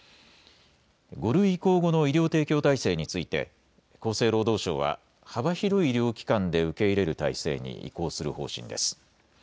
５類移行後の医療提供体制について厚生労働省は幅広い医療機関で受け入れる体制に移行する方針です。